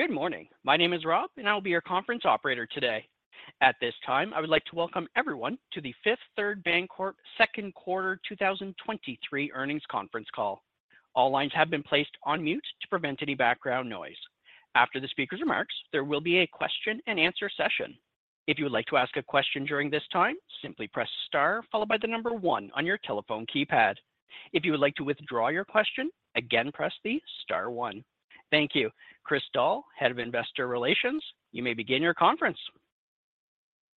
Good morning. My name is Rob, and I will be your conference operator today. At this time, I would like to welcome everyone to the Fifth Third Bancorp Second Quarter 2023 Earnings Conference Call. All lines have been placed on mute to prevent any background noise. After the speaker's remarks, there will be a question and answer session. If you would like to ask a question during this time, simply press star followed by the number one on your telephone keypad. If you would like to withdraw your question, again, press the star one. Thank you. Chris Doll, Head of Investor Relations, you may begin your conference.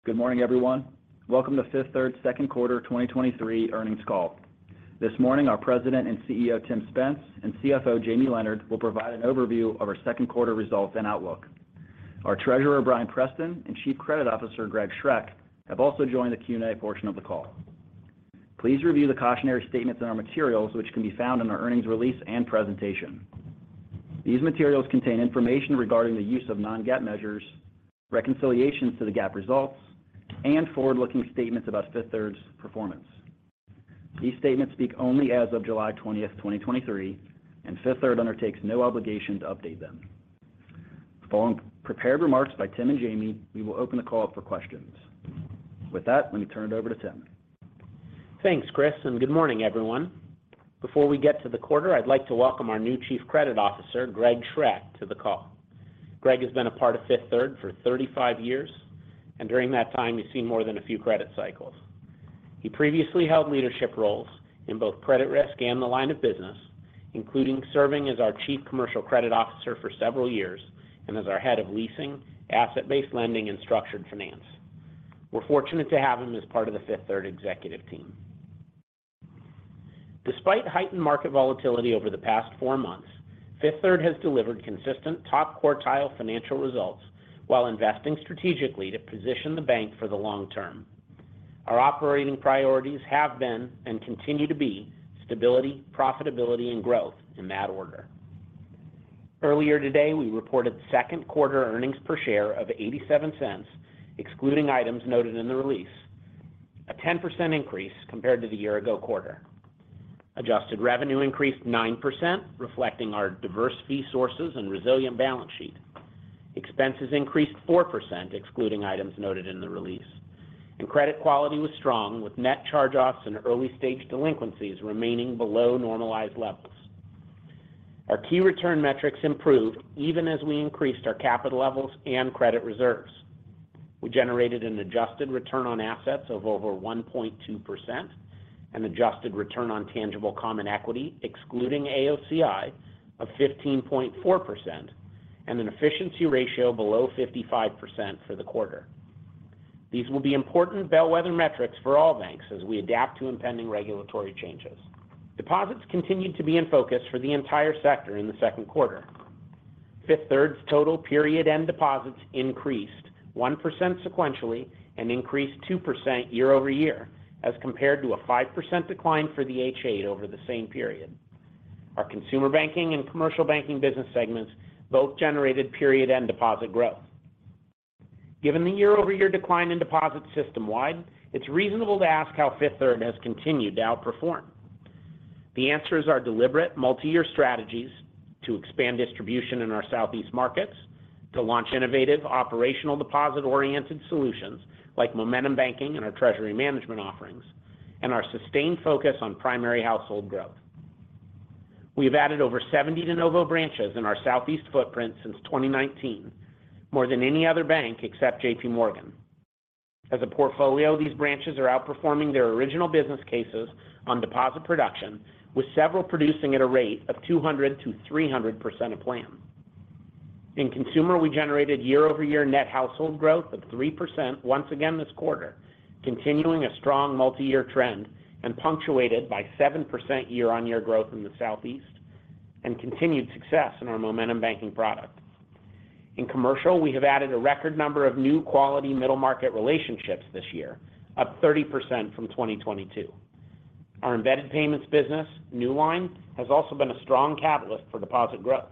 Good morning, everyone. Welcome to Fifth Third Second Quarter 2023 Earnings Call. This morning, our President and CEO, Timothy Spence, and CFO, James Leonard, will provide an overview of our second quarter results and outlook. Our Treasurer, Bryan Preston, and Chief Credit Officer, Greg Schroeck, have also joined the Q&A portion of the call. Please review the cautionary statements in our materials, which can be found in our earnings release and presentation. These materials contain information regarding the use of non-GAAP measures, reconciliations to the GAAP results, and forward-looking statements about Fifth Third's performance. These statements speak only as of July 20th, 2023, and Fifth Third undertakes no obligation to update them. Following prepared remarks by Tim and Jamie, we will open the call up for questions. With that, let me turn it over to Tim. Thanks, Chris, and good morning, everyone. Before we get to the quarter, I'd like to welcome our new Chief Credit Officer, Greg Schroeck, to the call. Greg has been a part of Fifth Third for 35 years, and during that time, he's seen more than a few credit cycles. He previously held leadership roles in both credit risk and the line of business, including serving as our Chief Commercial Credit Officer for several years and as our Head of Leasing, Asset-Based Lending and Structured Finance. We're fortunate to have him as part of the Fifth Third executive team. Despite heightened market volatility over the past four months, Fifth Third has delivered consistent top-quartile financial results while investing strategically to position the bank for the long term. Our operating priorities have been, and continue to be, stability, profitability, and growth, in that order. Earlier today, we reported second quarter earnings per share of $0.87, excluding items noted in the release, a 10% increase compared to the year-ago quarter. Adjusted revenue increased 9%, reflecting our diverse fee sources and resilient balance sheet. Expenses increased 4%, excluding items noted in the release, and credit quality was strong, with net charge-offs and early-stage delinquencies remaining below normalized levels. Our key return metrics improved even as we increased our capital levels and credit reserves. We generated an adjusted return on assets of over 1.2%, an adjusted return on tangible common equity, excluding AOCI, of 15.4%, and an efficiency ratio below 55% for the quarter. These will be important bellwether metrics for all banks as we adapt to impending regulatory changes. Deposits continued to be in focus for the entire sector in the second quarter. Fifth Third's total period-end deposits increased 1% sequentially and increased 2% year over year, as compared to a 5% decline for the H.8 over the same period. Our consumer banking and commercial banking business segments both generated period-end deposit growth. Given the year-over-year decline in deposit system-wide, it's reasonable to ask how Fifth Third has continued to outperform. The answer is our deliberate multi-year strategies to expand distribution in our Southeast markets, to launch innovative operational deposit-oriented solutions like Momentum Banking and our treasury management offerings, and our sustained focus on primary household growth. We've added over 70 de novo branches in our Southeast footprint since 2019, more than any other bank except JPMorgan. As a portfolio, these branches are outperforming their original business cases on deposit production, with several producing at a rate of 200%-300% of plan. In Consumer, we generated year-over-year net household growth of 3%, once again this quarter, continuing a strong multi-year trend and punctuated by 7% year-on-year growth in the Southeast and continued success in our Momentum Banking product. In Commercial, we have added a record number of new quality middle market relationships this year, up 30% from 2022. Our embedded payments business, Newline, has also been a strong catalyst for deposit growth.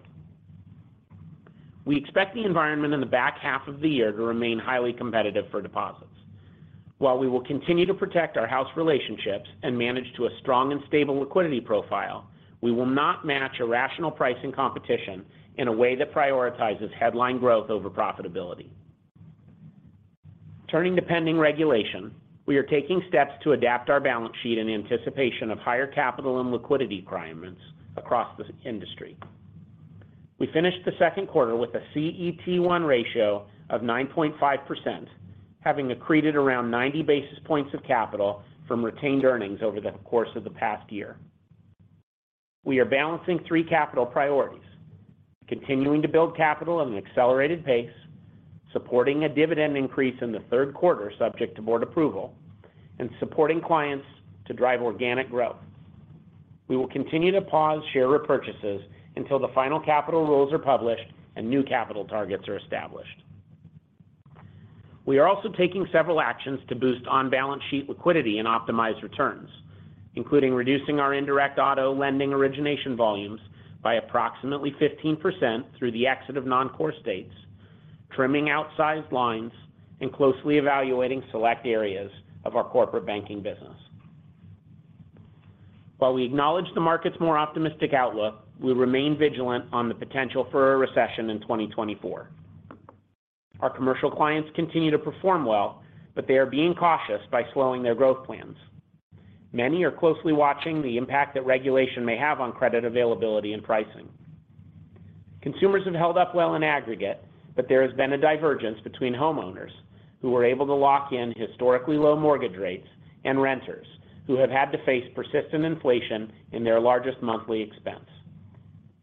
We expect the environment in the back half of the year to remain highly competitive for deposits. While we will continue to protect our house relationships and manage to a strong and stable liquidity profile, we will not match a rational pricing competition in a way that prioritizes headline growth over profitability. Turning to pending regulation, we are taking steps to adapt our balance sheet in anticipation of higher capital and liquidity requirements across the industry. We finished the second quarter with a CET1 ratio of 9.5%, having accreted around 90 basis points of capital from retained earnings over the course of the past year. We are balancing three capital priorities: continuing to build capital at an accelerated pace, supporting a dividend increase in the third quarter, subject to board approval, and supporting clients to drive organic growth. We will continue to pause share repurchases until the final capital rules are published and new capital targets are established. We are also taking several actions to boost on-balance sheet liquidity and optimize returns, including reducing our indirect auto lending origination volumes by approximately 15% through the exit of non-core states, trimming outsized lines, and closely evaluating select areas of our corporate banking business. While we acknowledge the market's more optimistic outlook, we remain vigilant on the potential for a recession in 2024. Our commercial clients continue to perform well, but they are being cautious by slowing their growth plans. Many are closely watching the impact that regulation may have on credit availability and pricing. Consumers have held up well in aggregate, but there has been a divergence between homeowners, who were able to lock in historically low mortgage rates, and renters, who have had to face persistent inflation in their largest monthly expense.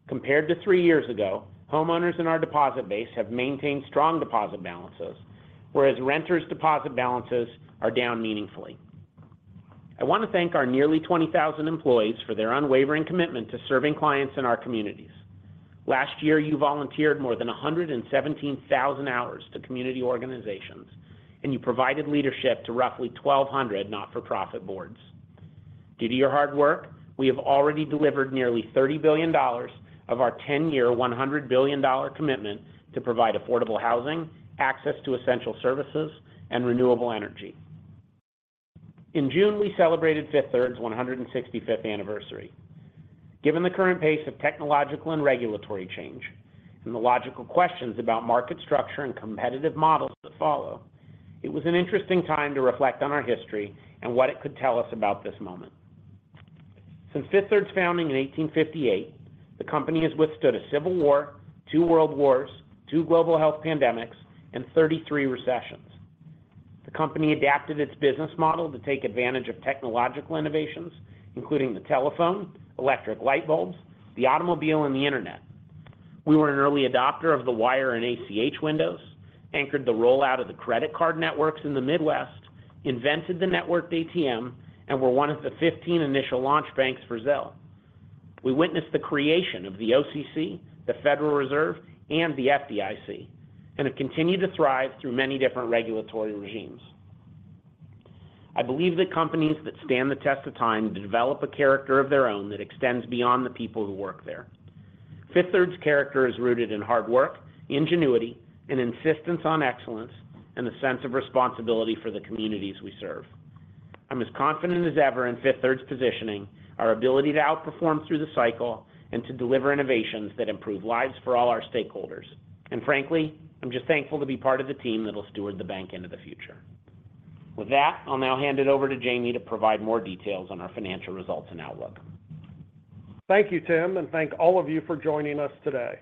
Compared to three years ago, homeowners in our deposit base have maintained strong deposit balances, whereas renters' deposit balances are down meaningfully. I want to thank our nearly 20,000 employees for their unwavering commitment to serving clients in our communities. Last year, you volunteered more than 117,000 hours to community organizations, and you provided leadership to roughly 1,200 not-for-profit boards. Due to your hard work, we have already delivered nearly $30 billion of our 10-year, $100 billion commitment to provide affordable housing, access to essential services, and renewable energy. In June, we celebrated Fifth Third's 165th anniversary. Given the current pace of technological and regulatory change, and the logical questions about market structure and competitive models that follow, it was an interesting time to reflect on our history and what it could tell us about this moment. Since Fifth Third's founding in 1858, the company has withstood a civil war, two world wars, two global health pandemics, and 33 recessions. The company adapted its business model to take advantage of technological innovations, including the telephone, electric light bulbs, the automobile, and the internet. We were an early adopter of the wire and ACH windows, anchored the rollout of the credit card networks in the Midwest, invented the networked ATM, and were one of the 15 initial launch banks for Zelle. We witnessed the creation of the OCC, the Federal Reserve, and the FDIC, and have continued to thrive through many different regulatory regimes. I believe that companies that stand the test of time develop a character of their own that extends beyond the people who work there. Fifth Third's character is rooted in hard work, ingenuity, and insistence on excellence, and a sense of responsibility for the communities we serve. I'm as confident as ever in Fifth Third's positioning, our ability to outperform through the cycle, and to deliver innovations that improve lives for all our stakeholders. Frankly, I'm just thankful to be part of the team that will steward the bank into the future. With that, I'll now hand it over to Jamie to provide more details on our financial results and outlook. Thank you, Tim. Thank all of you for joining us today.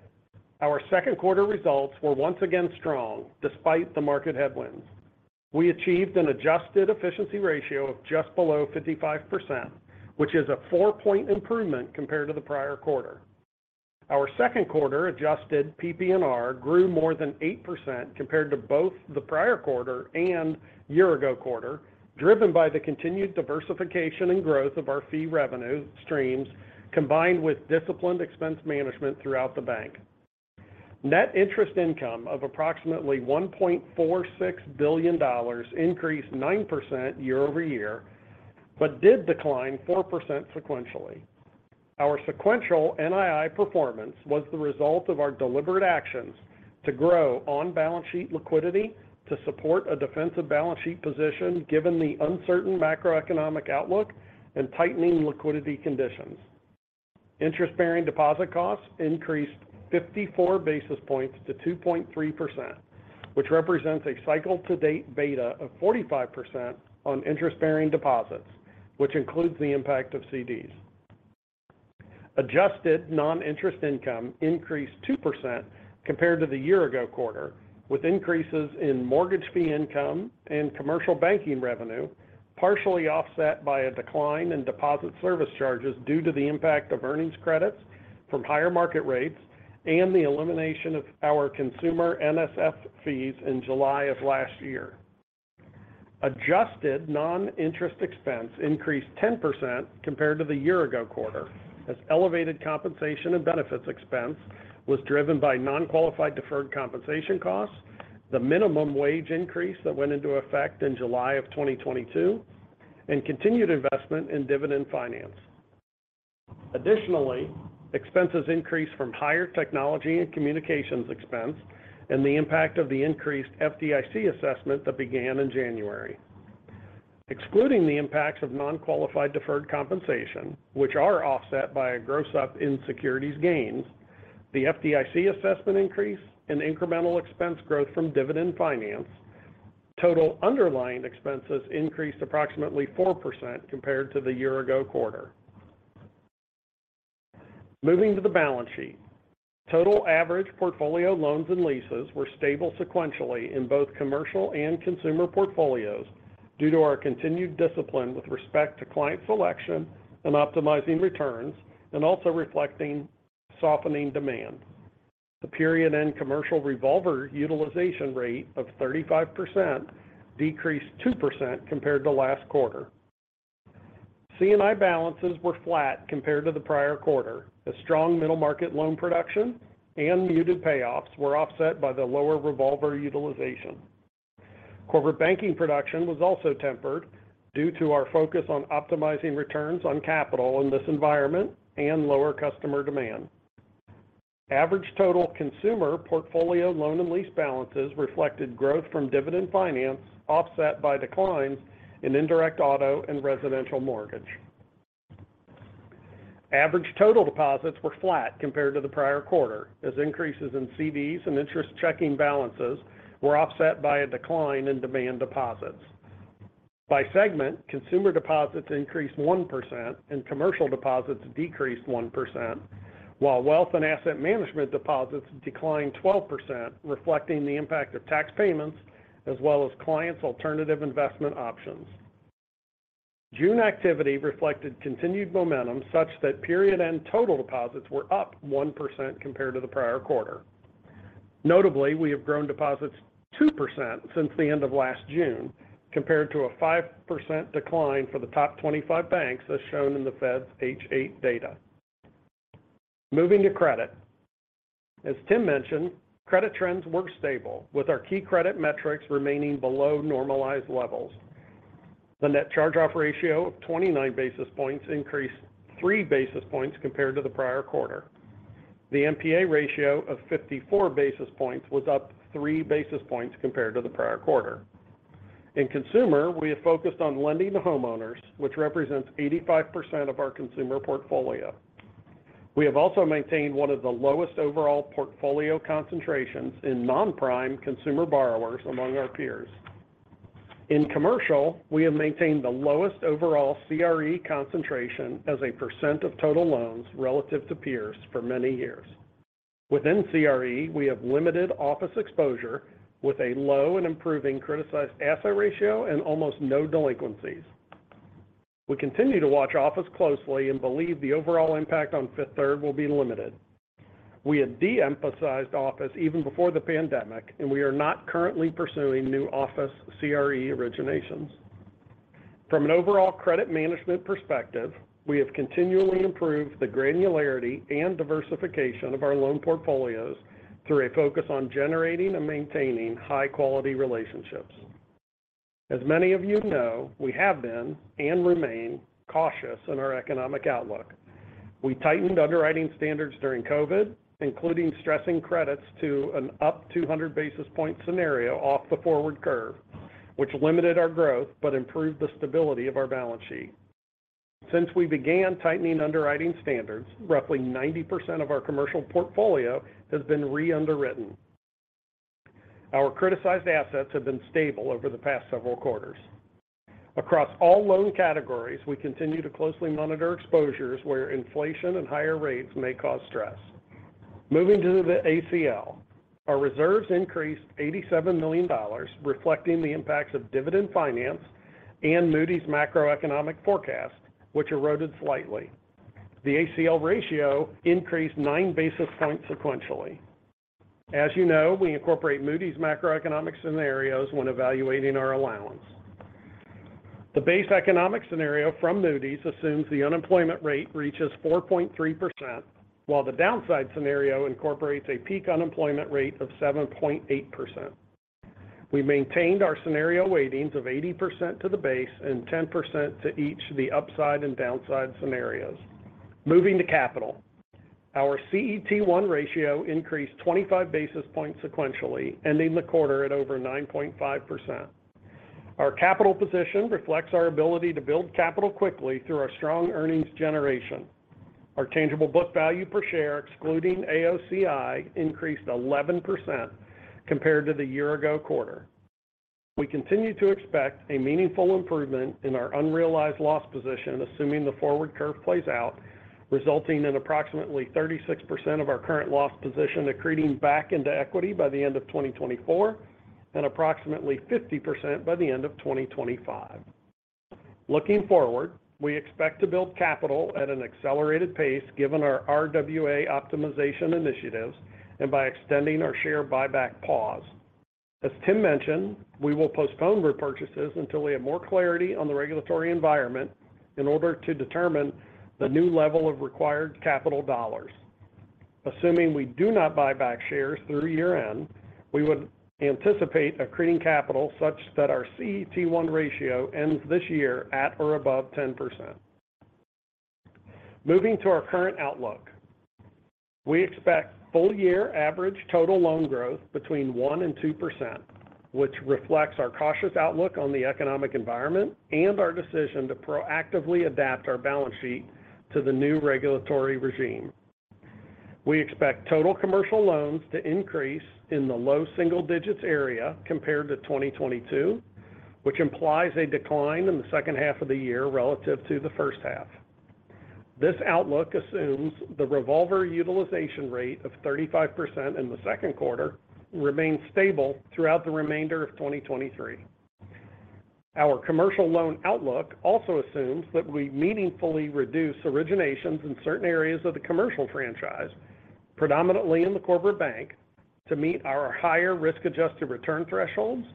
Our second quarter results were once again strong, despite the market headwinds. We achieved an adjusted efficiency ratio of just below 55%, which is a four-point improvement compared to the prior quarter. Our second quarter adjusted PPNR grew more than 8% compared to both the prior quarter and year-ago quarter, driven by the continued diversification and growth of our fee revenue streams, combined with disciplined expense management throughout the bank. Net interest income of approximately $1.46 billion increased 9% year-over-year, but did decline 4% sequentially. Our sequential NII performance was the result of our deliberate actions to grow on-balance sheet liquidity to support a defensive balance sheet position, given the uncertain macroeconomic outlook and tightening liquidity conditions. Interest-bearing deposit costs increased 54 basis points to 2.3%, which represents a cycle-to-date beta of 45% on interest-bearing deposits, which includes the impact of CDs. Adjusted non-interest income increased 2% compared to the year-ago quarter, with increases in mortgage fee income and commercial banking revenue, partially offset by a decline in deposit service charges due to the impact of earnings credits from higher market rates and the elimination of our consumer NSF fees in July of last year. Adjusted non-interest expense increased 10% compared to the year-ago quarter, as elevated compensation and benefits expense was driven by non-qualified deferred compensation costs, the minimum wage increase that went into effect in July of 2022, and continued investment in Dividend Finance. Expenses increased from higher technology and communications expense and the impact of the increased FDIC assessment that began in January. Excluding the impacts of non-qualified deferred compensation, which are offset by a gross up in securities gains, the FDIC assessment increase and incremental expense growth from Dividend Finance, total underlying expenses increased approximately 4% compared to the year-ago quarter. Moving to the balance sheet. Total average portfolio loans and leases were stable sequentially in both commercial and consumer portfolios due to our continued discipline with respect to client selection and optimizing returns, and also reflecting softening demand. The period-end commercial revolver utilization rate of 35% decreased 2% compared to last quarter. C&I balances were flat compared to the prior quarter, as strong middle market loan production and muted payoffs were offset by the lower revolver utilization. Corporate banking production was also tempered due to our focus on optimizing returns on capital in this environment and lower customer demand. Average total consumer portfolio loan and lease balances reflected growth from Dividend Finance, offset by declines in indirect auto and residential mortgage. Average total deposits were flat compared to the prior quarter, as increases in CDs and interest checking balances were offset by a decline in demand deposits. By segment, consumer deposits increased 1% and commercial deposits decreased 1%, while wealth and asset management deposits declined 12%, reflecting the impact of tax payments as well as clients' alternative investment options. June activity reflected continued momentum such that period end total deposits were up 1% compared to the prior quarter. Notably, we have grown deposits 2% since the end of last June, compared to a 5% decline for the top 25 banks, as shown in the Fed's H.8 data. Moving to credit. As Tim mentioned, credit trends were stable, with our key credit metrics remaining below normalized levels. The net charge-off ratio of 29 basis points increased 3 basis points compared to the prior quarter. The NPA ratio of 54 basis points was up 3 basis points compared to the prior quarter. In consumer, we have focused on lending to homeowners, which represents 85% of our consumer portfolio. We have also maintained one of the lowest overall portfolio concentrations in non-prime consumer borrowers among our peers. In commercial, we have maintained the lowest overall CRE concentration as a percent of total loans relative to peers for many years. Within CRE, we have limited office exposure with a low and improving criticized asset ratio and almost no delinquencies. We continue to watch office closely and believe the overall impact on Fifth Third will be limited. We have de-emphasized office even before the pandemic, and we are not currently pursuing new office CRE originations. From an overall credit management perspective, we have continually improved the granularity and diversification of our loan portfolios through a focus on generating and maintaining high-quality relationships. As many of you know, we have been and remain cautious in our economic outlook. We tightened underwriting standards during COVID, including stressing credits to an up 200 basis point scenario off the forward curve, which limited our growth but improved the stability of our balance sheet. Since we began tightening underwriting standards, roughly 90% of our commercial portfolio has been re-underwritten. Our criticized assets have been stable over the past several quarters. Across all loan categories, we continue to closely monitor exposures where inflation and higher rates may cause stress. Moving to the ACL. Our reserves increased $87 million, reflecting the impacts of Dividend Finance and Moody's macroeconomic forecast, which eroded slightly. The ACL ratio increased 9 basis points sequentially. As you know, we incorporate Moody's macroeconomic scenarios when evaluating our allowance. The base economic scenario from Moody's assumes the unemployment rate reaches 4.3%, while the downside scenario incorporates a peak unemployment rate of 7.8%. We maintained our scenario weightings of 80% to the base and 10% to each the upside and downside scenarios. Moving to capital. Our CET1 ratio increased 25 basis points sequentially, ending the quarter at over 9.5%. Our capital position reflects our ability to build capital quickly through our strong earnings generation. Our tangible book value per share, excluding AOCI, increased 11% compared to the year-ago quarter. We continue to expect a meaningful improvement in our unrealized loss position, assuming the forward curve plays out, resulting in approximately 36% of our current loss position accreting back into equity by the end of 2024 and approximately 50% by the end of 2025. Looking forward, we expect to build capital at an accelerated pace, given our RWA optimization initiatives and by extending our share buyback pause. As Tim mentioned, we will postpone repurchases until we have more clarity on the regulatory environment in order to determine the new level of required capital dollars. Assuming we do not buy back shares through year-end, we would anticipate accreting capital such that our CET1 ratio ends this year at or above 10%. Moving to our current outlook. We expect full-year average total loan growth between 1% and 2%, which reflects our cautious outlook on the economic environment and our decision to proactively adapt our balance sheet to the new regulatory regime. We expect total commercial loans to increase in the low single-digits area compared to 2022, which implies a decline in the second half of the year relative to the first half. This outlook assumes the revolver utilization rate of 35% in the second quarter remains stable throughout the remainder of 2023. Our commercial loan outlook also assumes that we meaningfully reduce originations in certain areas of the commercial franchise, predominantly in the corporate bank, to meet our higher risk-adjusted return thresholds,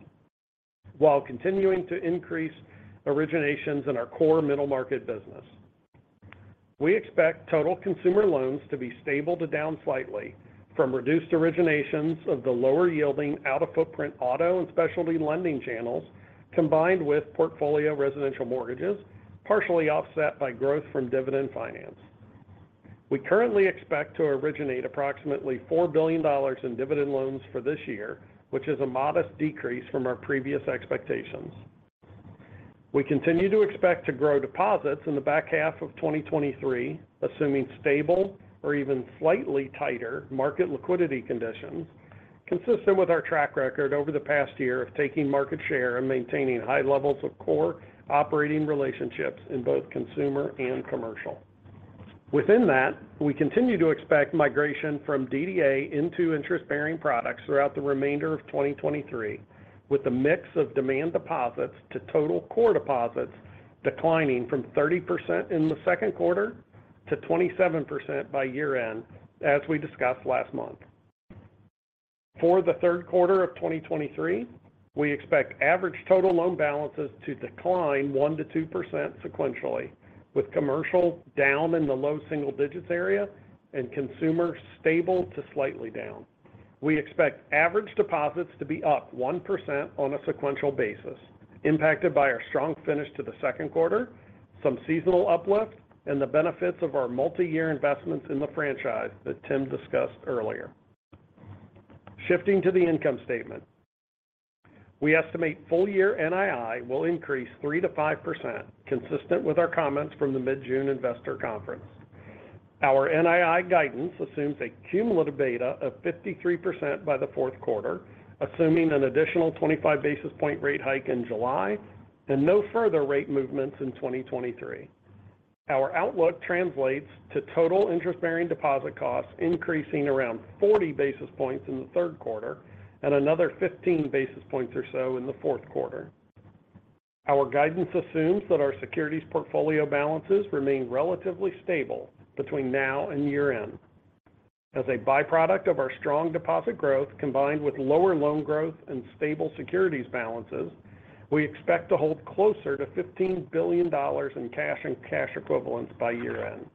while continuing to increase originations in our core middle market business. We expect total consumer loans to be stable to down slightly from reduced originations of the lower-yielding, out-of-footprint auto and specialty lending channels, combined with portfolio residential mortgages, partially offset by growth from Dividend Finance. We currently expect to originate approximately $4 billion in Dividend loans for this year, which is a modest decrease from our previous expectations. We continue to expect to grow deposits in the back half of 2023, assuming stable or even slightly tighter market liquidity conditions, consistent with our track record over the past year of taking market share and maintaining high levels of core operating relationships in both consumer and commercial. Within that, we continue to expect migration from DDA into interest-bearing products throughout the remainder of 2023, with a mix of demand deposits to total core deposits declining from 30% in the second quarter to 27% by year-end, as we discussed last month. For the third quarter of 2023, we expect average total loan balances to decline 1%-2% sequentially, with commercial down in the low single digits area and consumer stable to slightly down. We expect average deposits to be up 1% on a sequential basis, impacted by our strong finish to the second quarter, some seasonal uplift, and the benefits of our multi-year investments in the franchise that Tim discussed earlier. Shifting to the income statement. We estimate full year NII will increase 3%-5%, consistent with our comments from the mid-June investor conference. Our NII guidance assumes a cumulative beta of 53% by the fourth quarter, assuming an additional 25 basis point rate hike in July and no further rate movements in 2023. Our outlook translates to total interest-bearing deposit costs increasing around 40 basis points in the third quarter and another 15 basis points or so in the fourth quarter. Our guidance assumes that our securities portfolio balances remain relatively stable between now and year-end. As a byproduct of our strong deposit growth, combined with lower loan growth and stable securities balances, we expect to hold closer to $15 billion in cash and cash equivalents by year-end.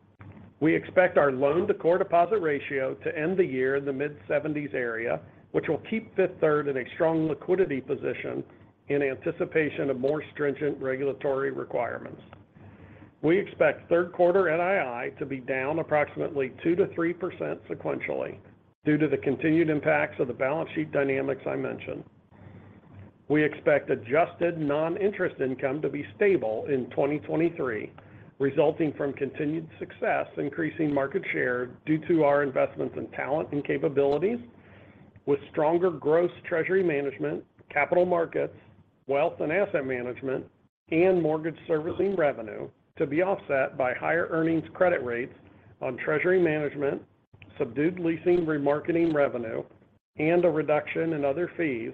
We expect our loan to core deposit ratio to end the year in the mid-seventies area, which will keep Fifth Third in a strong liquidity position in anticipation of more stringent regulatory requirements. We expect third quarter NII to be down approximately 2%-3% sequentially due to the continued impacts of the balance sheet dynamics I mentioned. We expect adjusted non-interest income to be stable in 2023, resulting from continued success increasing market share due to our investments in talent and capabilities, with stronger gross treasury management, capital markets, wealth and asset management, and mortgage servicing revenue to be offset by higher earnings credit rates on treasury management, subdued leasing remarketing revenue, and a reduction in other fees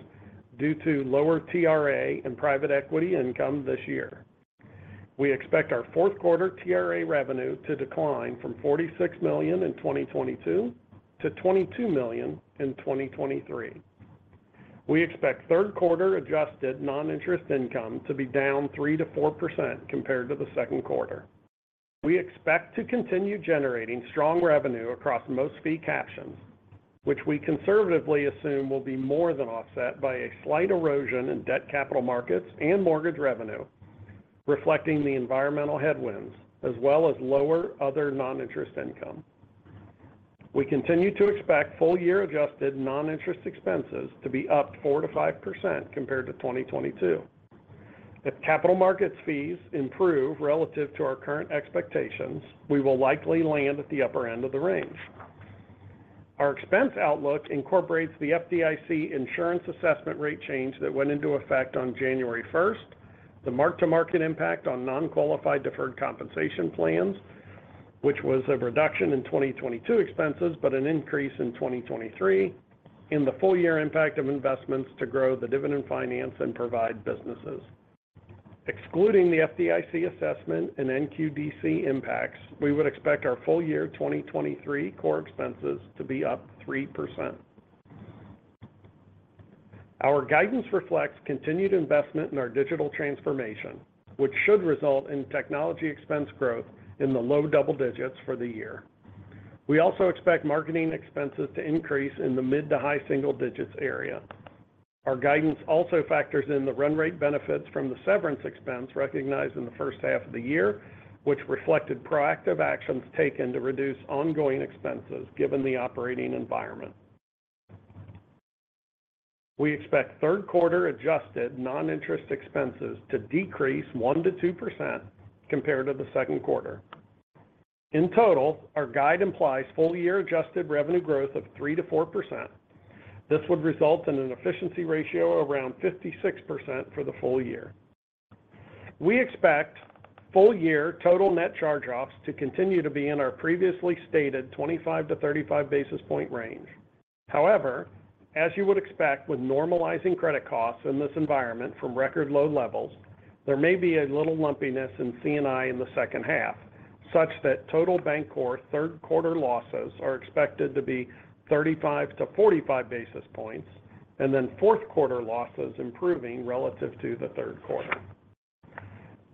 due to lower TRA and private equity income this year. We expect our fourth quarter TRA revenue to decline from $46 million in 2022 to $22 million in 2023. We expect third quarter adjusted non-interest income to be down 3%-4% compared to the second quarter. We expect to continue generating strong revenue across most fee captions, which we conservatively assume will be more than offset by a slight erosion in debt capital markets and mortgage revenue, reflecting the environmental headwinds as well as lower other non-interest income. We continue to expect full year adjusted non-interest expenses to be up 4%-5% compared to 2022. If capital markets fees improve relative to our current expectations, we will likely land at the upper end of the range. Our expense outlook incorporates the FDIC insurance assessment rate change that went into effect on January first, the mark to market impact on non-qualified deferred compensation plans, which was a reduction in 2022 expenses, but an increase in 2023, and the full year impact of investments to grow the Dividend Finance and Provide businesses. Excluding the FDIC assessment and NQDC impacts, we would expect our full-year 2023 core expenses to be up 3%. Our guidance reflects continued investment in our digital transformation, which should result in technology expense growth in the low double digits for the year. We also expect marketing expenses to increase in the mid to high single digits area. Our guidance also factors in the run rate benefits from the severance expense recognized in the first half of the year, which reflected proactive actions taken to reduce ongoing expenses, given the operating environment. We expect third quarter adjusted non-interest expenses to decrease 1%-2% compared to the second quarter. In total, our guide implies full-year adjusted revenue growth of 3%-4%. This would result in an efficiency ratio around 56% for the full-year. We expect full year total net charge-offs to continue to be in our previously stated 25-35 basis point range. As you would expect with normalizing credit costs in this environment from record low levels, there may be a little lumpiness in C&I in the second half, such that total bank core third quarter losses are expected to be 35-45 basis points. Fourth quarter losses improving relative to the third quarter.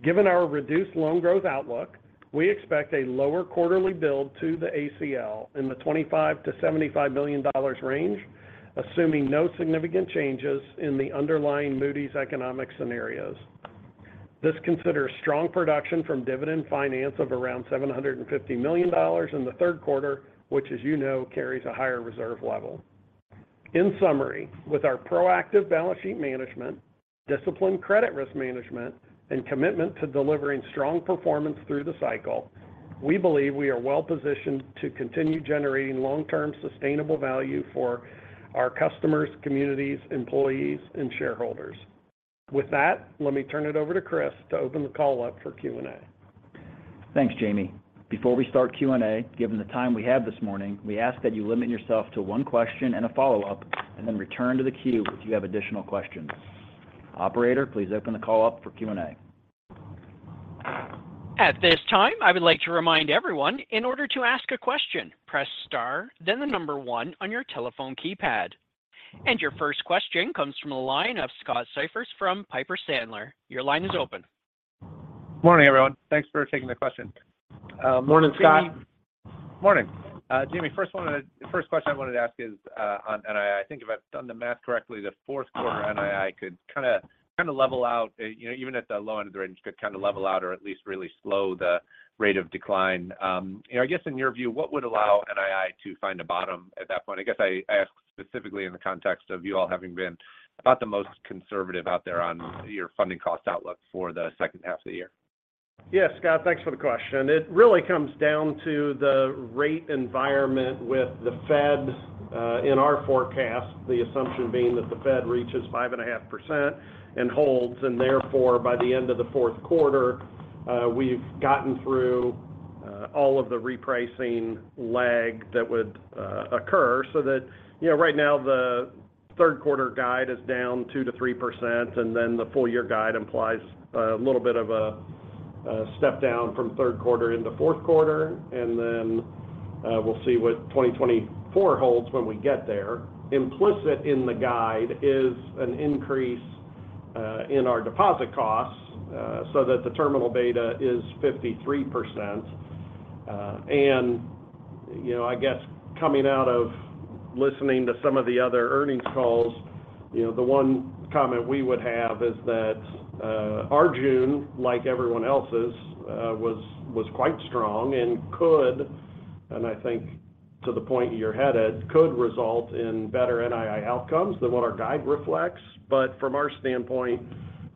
Given our reduced loan growth outlook, we expect a lower quarterly build to the ACL in the $25 million-$75 million range, assuming no significant changes in the underlying Moody's economic scenarios. This considers strong production from Dividend Finance of around $750 million in the third quarter, which, as you know, carries a higher reserve level. In summary, with our proactive balance sheet management, disciplined credit risk management, and commitment to delivering strong performance through the cycle, we believe we are well-positioned to continue generating long-term sustainable value for our customers, communities, employees, and shareholders. With that, let me turn it over to Chris to open the call up for Q&A. Thanks, Jamie. Before we start Q&A, given the time we have this morning, we ask that you limit yourself to one question and a follow-up, and then return to the queue if you have additional questions. Operator, please open the call up for Q&A. At this time, I would like to remind everyone, in order to ask a question, press star, then the number one on your telephone keypad. Your first question comes from the line of Scott Siefers from Piper Sandler. Your line is open. Morning, everyone. Thanks for taking the question. Morning, Scott. Morning. Jamie, the first question I wanted to ask is, and I think if I've done the math correctly, the fourth quarter NII could kind of level out, you know, even at the low end of the range, could kind of level out or at least really slow the rate of decline. You know, I guess in your view, what would allow NII to find a bottom at that point? I guess I ask specifically in the context of you all having been about the most conservative out there on your funding cost outlook for the second half of the year. Yeah, Scott, thanks for the question. It really comes down to the rate environment with the Fed, in our forecast, the assumption being that the Fed reaches 5.5% and holds, therefore, by the end of the fourth quarter, we've gotten through, all of the repricing lag that would, occur. You know, right now, the third quarter guide is down 2%-3%. The full year guide implies a little bit of a step down from third quarter into fourth quarter. We'll see what 2024 holds when we get there. Implicit in the guide is an increase, in our deposit costs, so that the terminal beta is 53%. You know, I guess coming out of listening to some of the other earnings calls, you know, the one comment we would have is that our June, like everyone else's, was quite strong and could result in better NII outcomes than what our guide reflects. From our standpoint,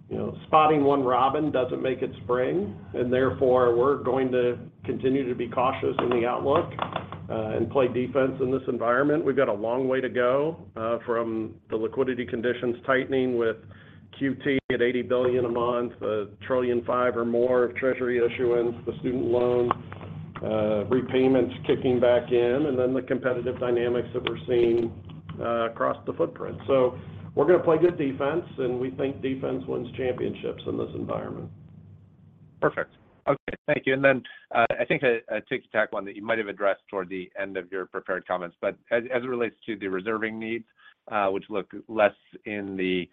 you know, spotting one robin doesn't make it spring, and therefore, we're going to continue to be cautious in the outlook, and play defense in this environment. We've got a long way to go from the liquidity conditions tightening with QT at $80 billion a month, $1.5 trillion or more of treasury issuance, the student loan, repayments kicking back in, and then the competitive dynamics that we're seeing across the footprint. We're going to play good defense, and we think defense wins championships in this environment. Perfect. Okay, thank you. I think a tick-tack one that you might have addressed toward the end of your prepared comments, but as it relates to the reserving needs, which look less in the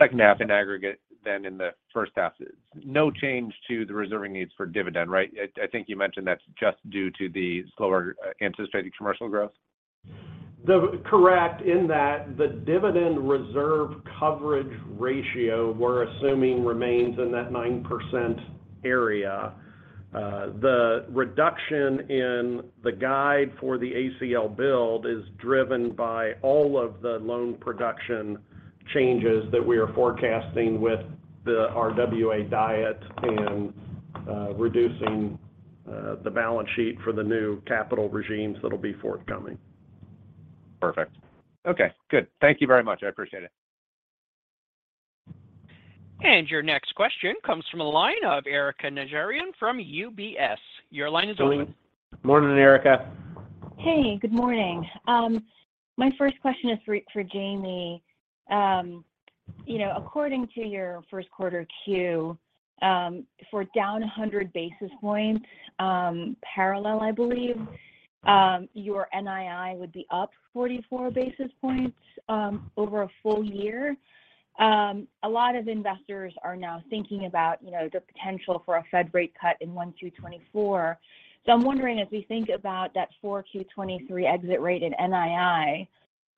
second half in aggregate than in the first half, no change to the reserving needs for Dividend, right? I think you mentioned that's just due to the slower anticipated commercial growth. Correct, in that the dividend reserve coverage ratio, we're assuming, remains in that 9% area. The reduction in the guide for the ACL build is driven by all of the loan production changes that we are forecasting with the RWA diet and reducing the balance sheet for the new capital regimes that will be forthcoming. Perfect. Okay, good. Thank you very much. I appreciate it. Your next question comes from a line of Erika Najarian from UBS. Your line is open. Morning, Erika. Hey, good morning. My first question is for Jamie. You know, according to your first quarter queue, for down 100 basis points parallel, I believe, your NII would be up 44 basis points over a full year. A lot of investors are now thinking about, you know, the potential for a Fed rate cut in 1 2 2024. I'm wondering, as we think about that 4Q23 exit rate in NII,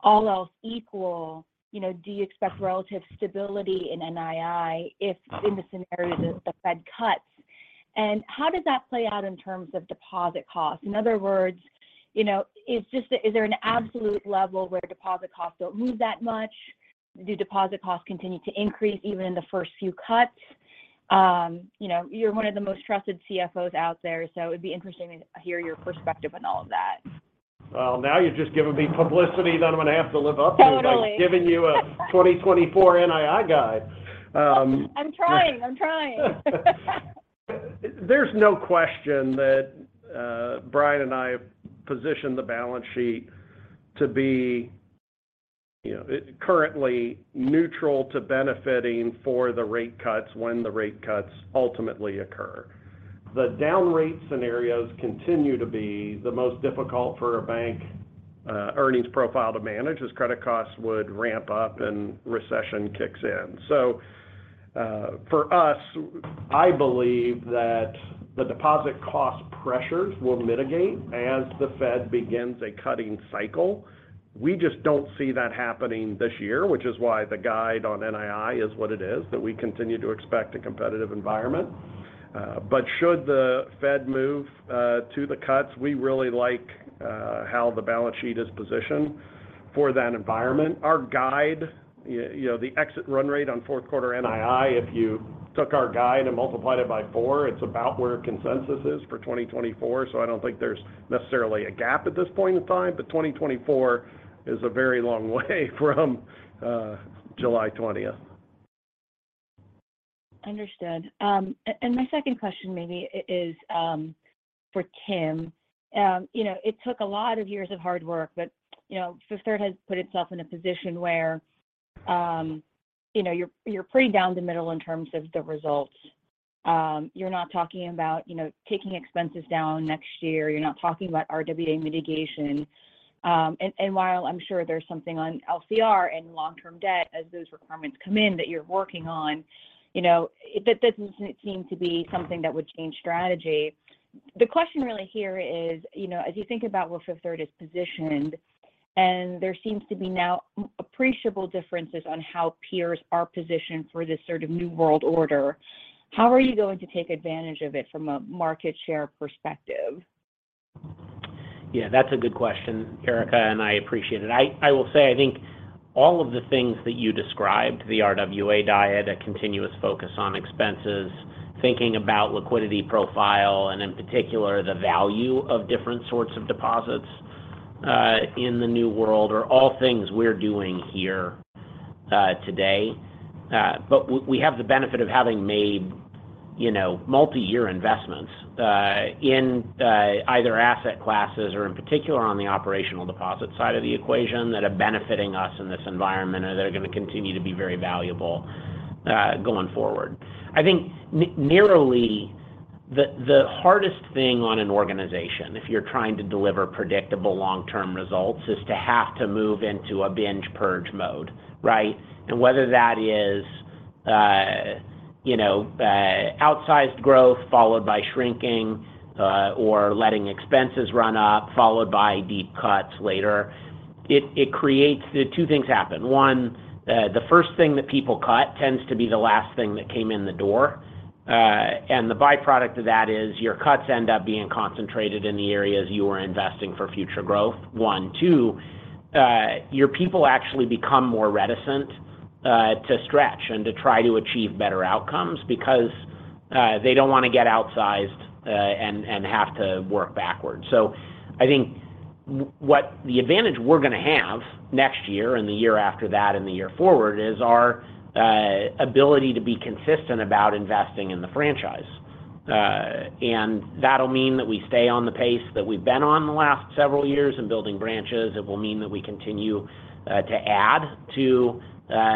all else equal, you know, do you expect relative stability in NII if in the scenario that the Fed cuts? How does that play out in terms of deposit costs? In other words, you know, is there an absolute level where deposit costs don't move that much? Do deposit costs continue to increase even in the first few cuts? You know, you're one of the most trusted CFOs out there, so it'd be interesting to hear your perspective on all of that. Well, now you've just given me publicity that I'm going to have to live up to. Totally... by giving you a 2024 NII guide. I'm trying, I'm trying. There's no question that Bryan and I have positioned the balance sheet to be, you know, currently neutral to benefiting for the rate cuts when the rate cuts ultimately occur. The down rate scenarios continue to be the most difficult for a bank earnings profile to manage, as credit costs would ramp up and recession kicks in. For us, I believe that the deposit cost pressures will mitigate as the Fed begins a cutting cycle. We just don't see that happening this year, which is why the guide on NII is what it is, that we continue to expect a competitive environment. Should the Fed move to the cuts? We really like how the balance sheet is positioned for that environment. Our guide, you know, the exit run rate on fourth quarter NII, if you took our guide and multiplied it by four, it's about where consensus is for 2024. I don't think there's necessarily a gap at this point in time, but 2024 is a very long way from July 20th. Understood. My second question is for Tim. You know, it took a lot of years of hard work, but, you know, Fifth Third has put itself in a position where, you know, you're pretty down the middle in terms of the results. You're not talking about, you know, taking expenses down next year. You're not talking about RWA mitigation. While I'm sure there's something on LCR and long-term debt as those requirements come in that you're working on, you know, that doesn't seem to be something that would change strategy. The question really here is, you know, as you think about where Fifth Third is positioned, and there seems to be now appreciable differences on how peers are positioned for this sort of new world order, how are you going to take advantage of it from a market share perspective? Yeah, that's a good question, Erika, and I appreciate it. I will say, I think all of the things that you described, the RWA diet, a continuous focus on expenses, thinking about liquidity profile, and in particular, the value of different sorts of deposits, in the new world, are all things we're doing here, today. We have the benefit of having made, you know, multi-year investments, in either asset classes or in particular, on the operational deposit side of the equation, that are benefiting us in this environment and that are going to continue to be very valuable, going forward. I think narrowly, the hardest thing on an organization, if you're trying to deliver predictable long-term results, is to have to move into a binge-purge mode, right? Whether that is, you know, outsized growth followed by shrinking, or letting expenses run up, followed by deep cuts later, the two things happen. One, the first thing that people cut tends to be the last thing that came in the door. The byproduct of that is your cuts end up being concentrated in the areas you are investing for future growth, one. Two, your people actually become more reticent to stretch and to try to achieve better outcomes because they don't want to get outsized and have to work backwards. I think the advantage we're going to have next year and the year after that and the year forward, is our ability to be consistent about investing in the franchise. That'll mean that we stay on the pace that we've been on the last several years in building branches. It will mean that we continue to add to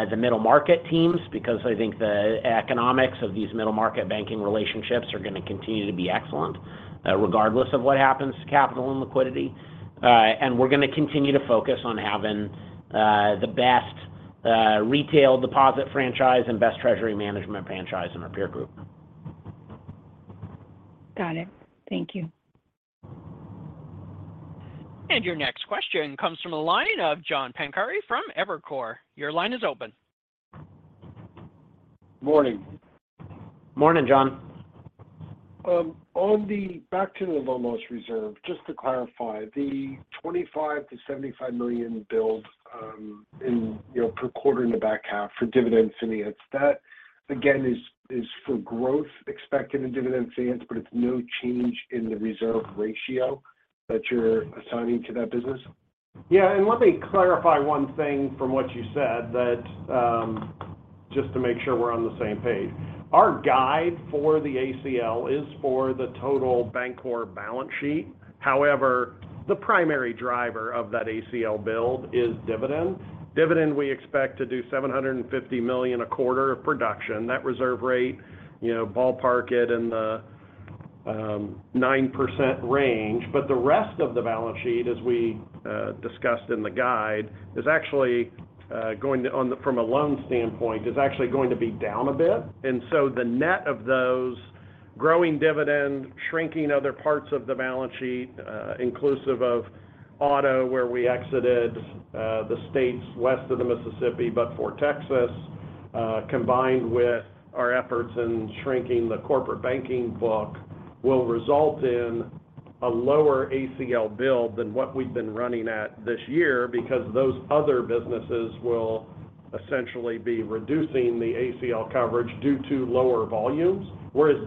the middle market teams, because I think the economics of these middle market banking relationships are going to continue to be excellent, regardless of what happens to capital and liquidity. We're going to continue to focus on having the best retail deposit franchise and best treasury management franchise in our peer group. Got it. Thank you. Your next question comes from the line of John Pancari from Evercore. Your line is open. Morning. Morning, John. Back to the loan loss reserve, just to clarify, the $25 million-$75 million build in, you know, per quarter in the back half for Dividends and that, again, is for growth expected in Dividend sales, but it's no change in the reserve ratio that you're assigning to that business? Yeah, let me clarify one thing from what you said, that, just to make sure we're on the same page. Our guide for the ACL is for the total Bancorp balance sheet. However, the primary driver of that ACL build is Dividend. Dividend, we expect to do $750 million a quarter of production. That reserve rate, you know, ballpark it in the 9% range. The rest of the balance sheet, as we discussed in the guide, is actually from a loan standpoint, is actually going to be down a bit. The net of those growing Dividend Finance, shrinking other parts of the balance sheet, inclusive of auto, where we exited, the states west of the Mississippi, but for Texas, combined with our efforts in shrinking the corporate banking book, will result in a lower ACL build than what we've been running at this year, because those other businesses will essentially be reducing the ACL coverage due to lower volumes.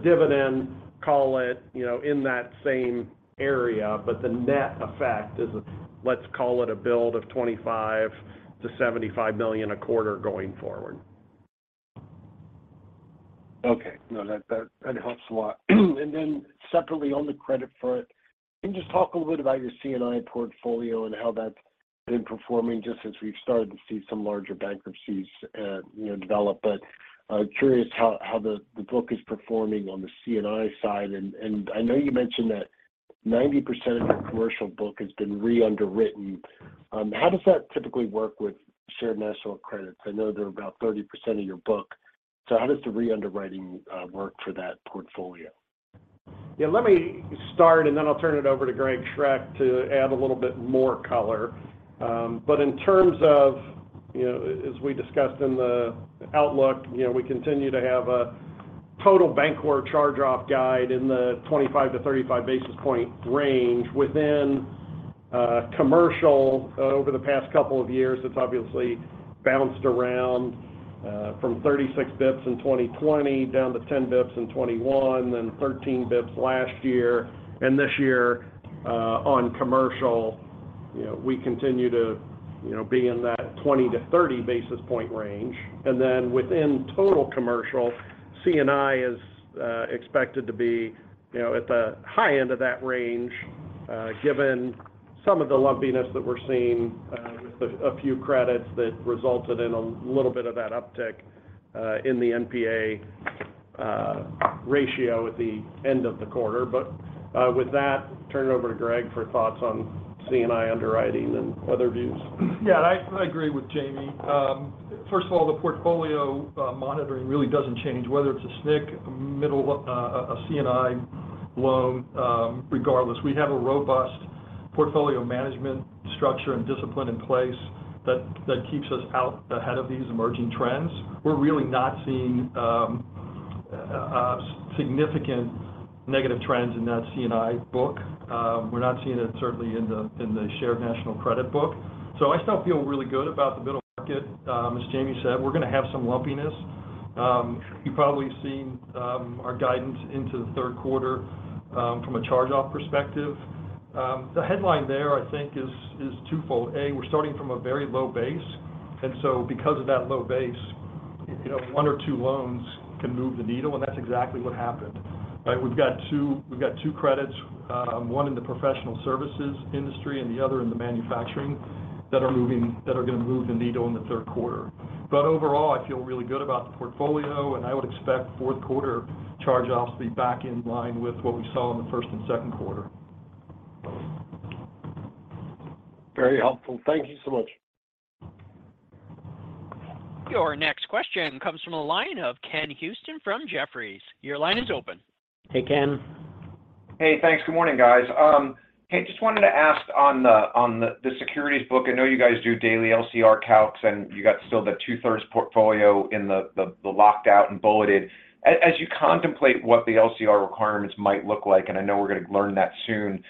Dividend Finance, call it, you know, in that same area, but the net effect is, let's call it a build of $25 million-$75 million a quarter going forward. Okay. No, that helps a lot. Separately, on the credit front, can you just talk a little bit about your C&I portfolio and how that's been performing just since we've started to see some larger bankruptcies, you know, develop? I'm curious how the book is performing on the C&I side. I know you mentioned that 90% of your commercial book has been re-underwritten. How does that typically work with shared national credits? I know they're about 30% of your book, so how does the re-underwriting work for that portfolio? Yeah, let me start, and then I'll turn it over to Greg Schroeck to add a little bit more color. But in terms of, you know, as we discussed in the outlook, you know, we continue to have a total Bancorp charge-off guide in the 25-35 basis point range. Within commercial, over the past couple of years, it's obviously bounced around, from 36 bps in 2020, down to 10 bps in 2021, then 13 bps last year. This year, on commercial, you know, we continue to, you know, be in that 20-30 basis point range. Within total commercial, C&I is expected to be, you know, at the high end of that range, given some of the lumpiness that we're seeing, with a few credits that resulted in a little bit of that uptick in the NPA ratio at the end of the quarter. With that, turn it over to Greg for thoughts on C&I underwriting and other views. I agree with Jamie. First of all, the portfolio monitoring really doesn't change. Whether it's a SNC, middle, a C&I loan, regardless, we have a robust portfolio management structure and discipline in place that keeps us out ahead of these emerging trends. We're really not seeing significant negative trends in that C&I book. We're not seeing it certainly in the shared national credit book. I still feel really good about the middle market. As Jamie said, we're going to have some lumpiness. You've probably seen our guidance into the third quarter from a charge-off perspective. The headline there, I think, is twofold: A, we're starting from a very low base, because of that low base, you know, one or two loans can move the needle, and that's exactly what happened, right? We've got 2 credits, 1 in the professional services industry and the other in the manufacturing, that are going to move the needle in the third quarter. Overall, I feel really good about the portfolio, and I would expect fourth quarter charge-offs to be back in line with what we saw in the first and second quarter. Very helpful. Thank you so much. Your next question comes from the line of Ken Usdin from Jefferies. Your line is open. Hey, Ken. Hey, thanks. Good morning, guys. Hey, just wanted to ask on the securities book, I know you guys do daily LCR calcs, and you got still the two-thirds portfolio in the locked out and bulleted. As you contemplate what the LCR requirements might look like, and I know we're going to learn that soon,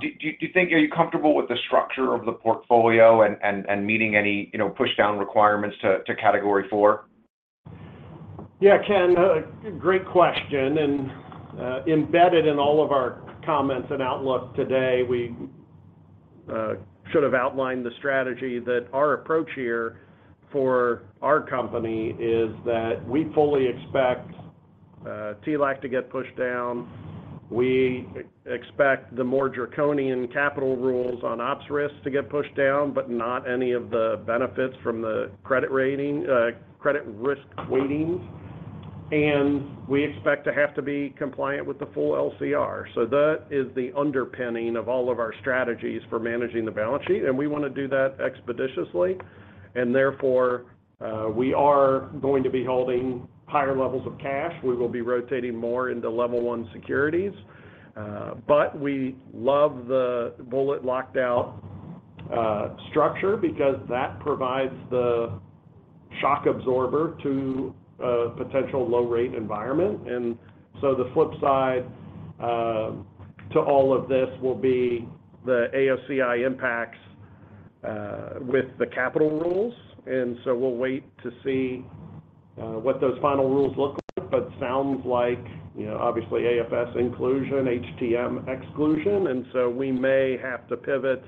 do you think are you comfortable with the structure of the portfolio and meeting any, you know, pushdown requirements to Category IV? Yeah, Ken, great question, embedded in all of our comments and outlook today, we should have outlined the strategy that our approach here for our company is that we fully expect TLAC to get pushed down. We expect the more draconian capital rules on operational risk to get pushed down, but not any of the benefits from the credit rating, credit risk weightings. We expect to have to be compliant with the full LCR. That is the underpinning of all of our strategies for managing the balance sheet, and we want to do that expeditiously. Therefore, we are going to be holding higher levels of cash. We will be rotating more into Level 1 securities, but we love the bullet locked out structure because that provides the shock absorber to a potential low-rate environment. The flip side, to all of this will be the AOCI impacts, with the capital rules, and so we'll wait to see, what those final rules look like. Sounds like, you know, obviously, AFS inclusion, HTM exclusion, and so we may have to pivot,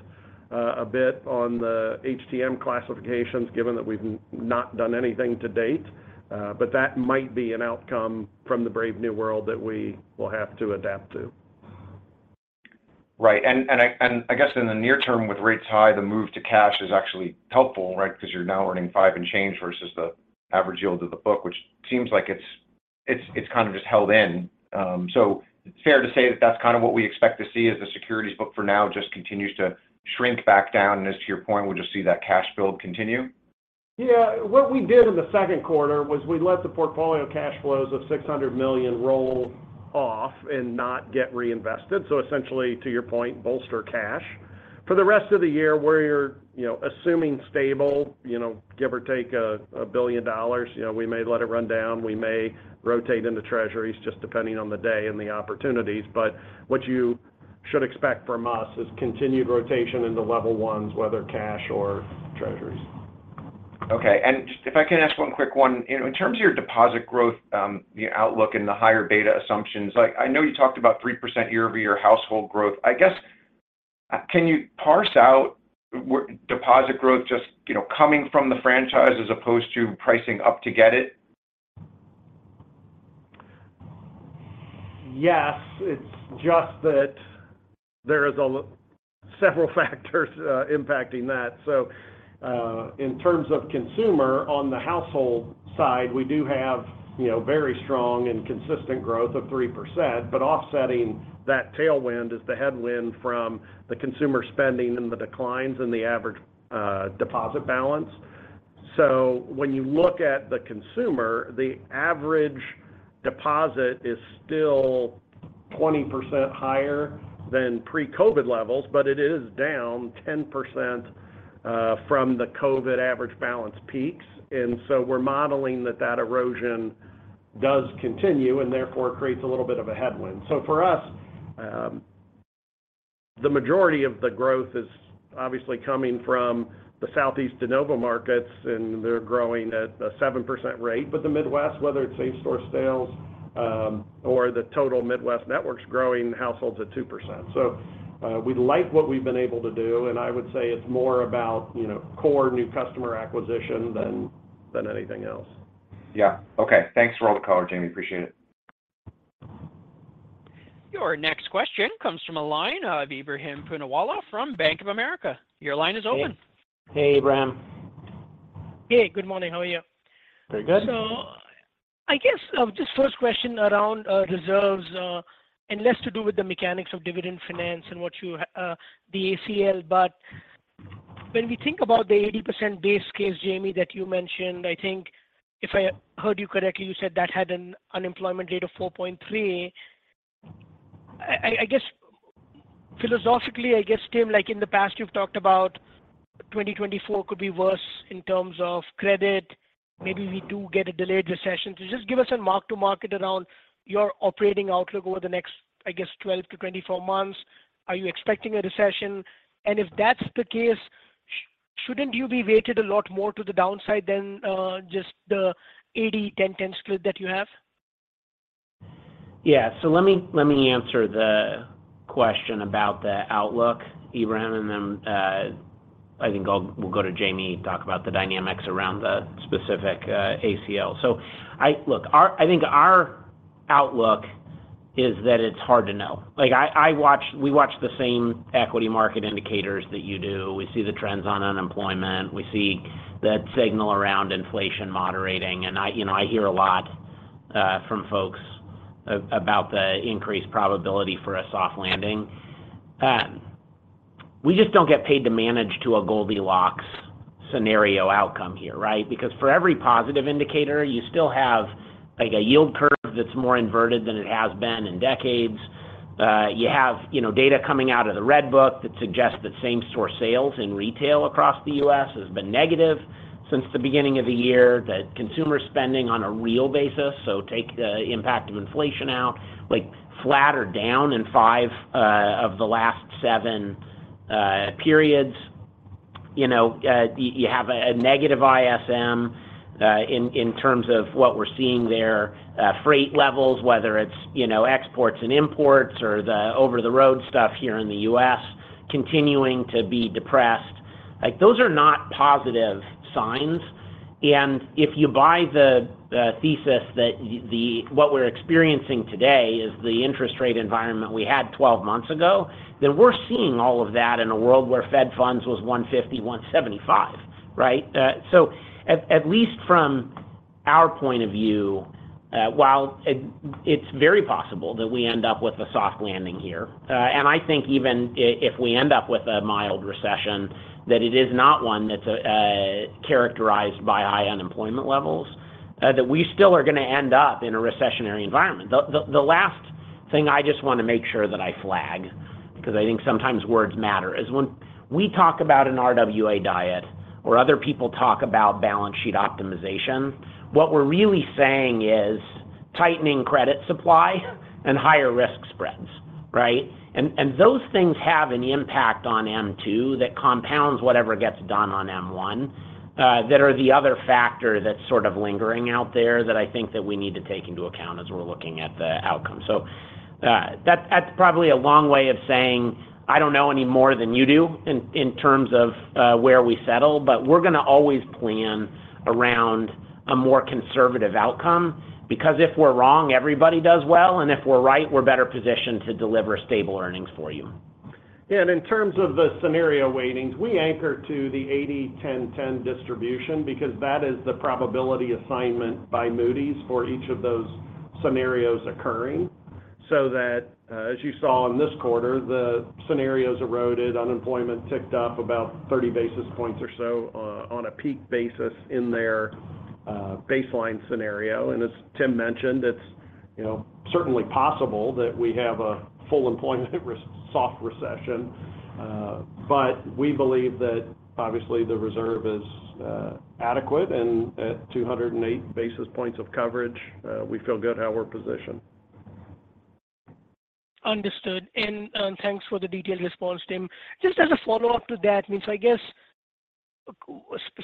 a bit on the HTM classifications, given that we've not done anything to date. That might be an outcome from the brave new world that we will have to adapt to. Right. I guess in the near term, with rates high, the move to cash is actually helpful, right? Because you're now earning 5 and change versus the average yield of the book, which seems like it's kind of just held in. Fair to say that that's kind of what we expect to see as the securities book for now just continues to shrink back down, and as to your point, we'll just see that cash build continue? Yeah. What we did in the second quarter was we let the portfolio of cash flows of $600 million roll off and not get reinvested. Essentially, to your point, bolster cash. For the rest of the year, we're, you know, assuming stable, you know, give or take $1 billion. You know, we may let it run down, we may rotate into Treasuries, just depending on the day and the opportunities. What you should expect from us is continued rotation into Level 1s, whether cash or Treasuries. Okay. If I can ask one quick one. You know, in terms of your deposit growth, the outlook and the higher beta assumptions, like I know you talked about 3% year-over-year household growth. I guess, can you parse out deposit growth just, you know, coming from the franchise as opposed to pricing up to get it? Yes, it's just that there is several factors impacting that. In terms of consumer, on the household side, we do have, you know, very strong and consistent growth of 3%, but offsetting that tailwind is the headwind from the consumer spending and the declines in the average deposit balance. When you look at the consumer, the average deposit is still 20% higher than pre-COVID levels, but it is down 10% from the COVID average balance peaks. We're modeling that that erosion does continue, and therefore it creates a little bit of a headwind. For us, the majority of the growth is obviously coming from the Southeast de novo markets, and they're growing at a 7% rate. The Midwest, whether it's same-store sales, or the total Midwest networks growing households at 2%. we like what we've been able to do, and I would say it's more about, you know, core new customer acquisition than anything else. Yeah. Okay. Thanks for all the color, Jamie. Appreciate it. Your next question comes from a line of Ebrahim Poonawala from Bank of America. Your line is open. Hey, Ebrahim. Hey, good morning. How are you? Very good. I guess, just first question around reserves, and less to do with the mechanics of Dividend Finance and what you, the ACL. When we think about the 80% base case, Jamie, that you mentioned, I think if I heard you correctly, you said that had an unemployment rate of 4.3. I guess philosophically, I guess, Tim, like in the past, you've talked about 2024 could be worse in terms of credit. Maybe we do get a delayed recession. Just give us a mark to market around your operating outlook over the next, I guess, 12-24 months. Are you expecting a recession? If that's the case, shouldn't you be weighted a lot more to the downside than just the 80, 10 split that you have? Yeah. Let me answer the question about the outlook, Ebrahim, and then we'll go to Jamie, talk about the dynamics around the specific ACL. Look, our outlook is that it's hard to know. Like, we watch the same equity market indicators that you do. We see the trends on unemployment, we see the signal around inflation moderating, you know, I hear a lot from folks about the increased probability for a soft landing. We just don't get paid to manage to a Goldilocks scenario outcome here, right? For every positive indicator, you still have, like, a yield curve that's more inverted than it has been in decades. You have, you know, data coming out of the Redbook that suggests that same store sales in retail across the U.S. has been negative since the beginning of the year. That consumer spending on a real basis, so take the impact of inflation out, like, flat or down in five of the last seven periods. You know, you have a negative ISM in terms of what we're seeing there. Freight levels, whether it's, you know, exports and imports or the over-the-road stuff here in the U.S., continuing to be depressed. Like, those are not positive signs, and if you buy the thesis that what we're experiencing today is the interest rate environment we had 12 months ago, then we're seeing all of that in a world where Fed Funds was 1.50%, 1.75%, right? At, at least from our point of view, while it's very possible that we end up with a soft landing here. I think even if we end up with a mild recession, that it is not one that's characterized by high unemployment levels, that we still are going to end up in a recessionary environment. The last thing I just want to make sure that I flag, because I think sometimes words matter, is when we talk about an RWA diet or other people talk about balance sheet optimization, what we're really saying is tightening credit supply and higher risk spreads, right? Those things have an impact on M2 that compounds whatever gets done on M1, that are the other factor that's sort of lingering out there that I think that we need to take into account as we're looking at the outcome. That's probably a long way of saying, I don't know any more than you do in terms of where we settle, but we're going to always plan around a more conservative outcome, because if we're wrong, everybody does well, and if we're right, we're better positioned to deliver stable earnings for you. In terms of the scenario weightings, we anchor to the 80, 10 distribution because that is the probability assignment by Moody's for each of those scenarios occurring. That, as you saw in this quarter, the scenarios eroded, unemployment ticked up about 30 basis points or so, on a peak basis in their baseline scenario. As Tim mentioned, it's, you know, certainly possible that we have a full employment soft recession. We believe that obviously the reserve is adequate and at 208 basis points of coverage, we feel good how we're positioned. Understood. Thanks for the detailed response, Tim. Just as a follow-up to that, I mean, I guess,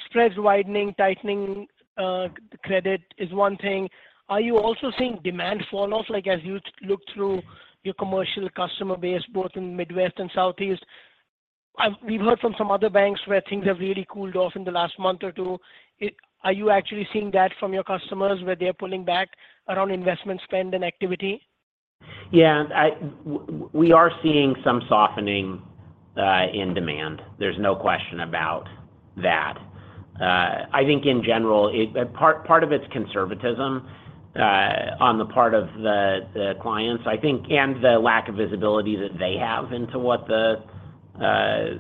spreads widening, tightening, credit is one thing. Are you also seeing demand fall off, like, as you look through your commercial customer base, both in Midwest and Southeast? We've heard from some other banks where things have really cooled off in the last month or two. Are you actually seeing that from your customers, where they're pulling back around investment spend and activity? Yeah. We are seeing some softening in demand. There's no question about that. I think in general, part of it's conservatism on the part of the clients. I think, and the lack of visibility that they have into what the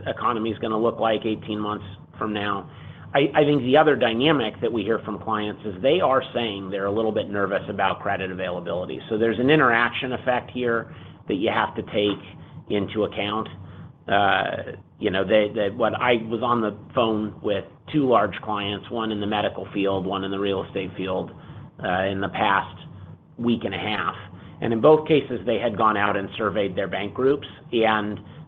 economy is going to look like 18 months from now. I think the other dynamic that we hear from clients is they are saying they're a little bit nervous about credit availability. There's an interaction effect here that you have to take into account. You know, what I was on the phone with two large clients, one in the medical field, one in the real estate field, in the past week and a half, and in both cases, they had gone out and surveyed their bank groups.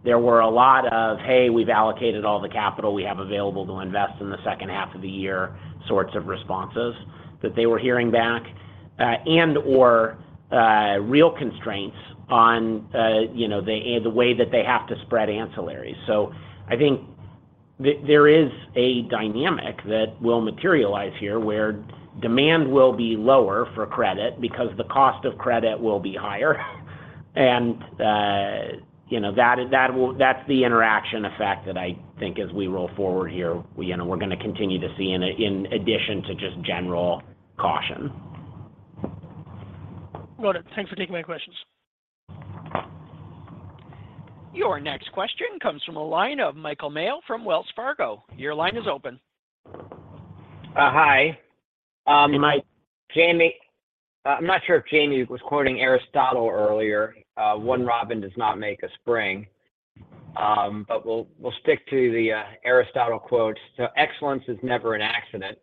There were a lot of, Hey, we've allocated all the capital we have available to invest in the second half of the year, sorts of responses that they were hearing back, and/or, real constraints on, you know, the way that they have to spread ancillaries. I think there is a dynamic that will materialize here, where demand will be lower for credit because the cost of credit will be higher. You know, that's the interaction effect that I think as we roll forward here, we, you know, we're going to continue to see in addition to just general caution. Got it. Thanks for taking my questions. Your next question comes from the line of Michael Mayo from Wells Fargo. Your line is open. Hi. Hey, Mike. Jamie, I'm not sure if Jamie was quoting Aristotle earlier. One robin does not make a spring. We'll, we'll stick to the Aristotle quote, So excellence is never an accident.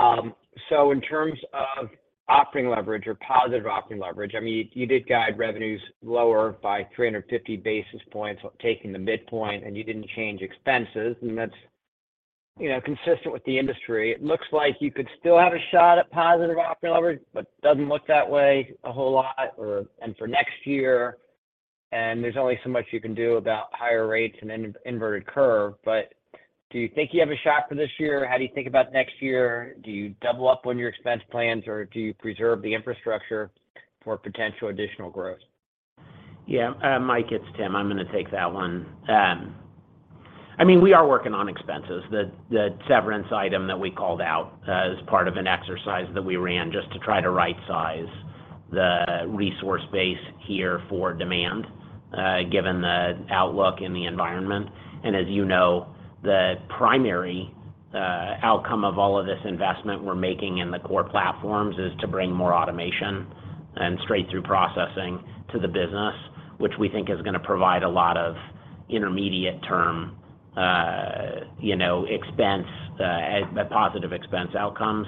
In terms of operating leverage or positive operating leverage, I mean, you did guide revenues lower by 350 basis points, taking the midpoint, and you didn't change expenses. That's, you know, consistent with the industry. It looks like you could still have a shot at positive operating leverage, but doesn't look that way a whole lot and for next year, and there's only so much you can do about higher rates and inverted curve. Do you think you have a shot for this year? How do you think about next year? Do you double up on your expense plans, or do you preserve the infrastructure for potential additional growth? Yeah. Mike, it's Tim. I'm going to take that one. I mean, we are working on expenses. The severance item that we called out is part of an exercise that we ran just to try to rightsize the resource base here for demand given the outlook in the environment. As you know, the primary outcome of all of this investment we're making in the core platforms is to bring more automation and straight-through processing to the business, which we think is going to provide a lot of intermediate-term, you know, expense, the positive expense outcomes.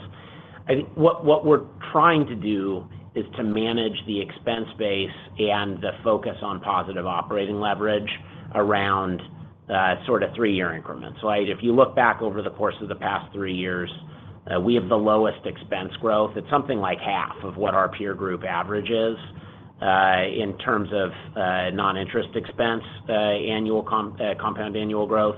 I think what we're trying to do is to manage the expense base and the focus on positive operating leverage around sort of three-year increments. If you look back over the course of the past three years, we have the lowest expense growth. It's something like half of what our peer group average is, in terms of non-interest expense, compound annual growth.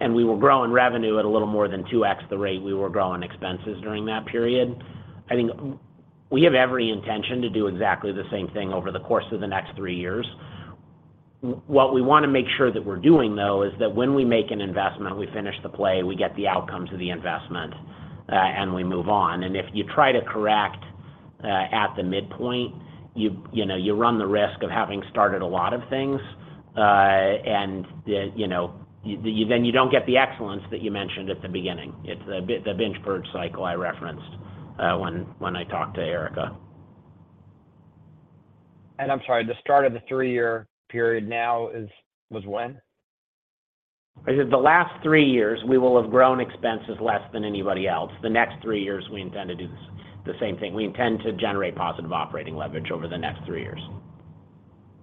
We will grow in revenue at a little more than 2x the rate we were growing expenses during that period. I think we have every intention to do exactly the same thing over the course of the next threeyears. What we want to make sure that we're doing, though, is that when we make an investment, we finish the play, we get the outcomes of the investment, and we move on. If you try to correct at the midpoint, you know, you run the risk of having started a lot of things, and, you know, then you don't get the excellence that you mentioned at the beginning. It's the binge purge cycle I referenced when I talked to Erika. I'm sorry, the start of the three-year period now was when? I said the last three years, we will have grown expenses less than anybody else. The next three years, we intend to do this, the same thing. We intend to generate positive operating leverage over the next three years.